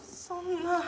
そんな。